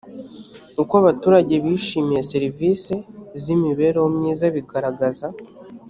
uko abaturage bishimiye serivisi z imibereho myiza bigaragaza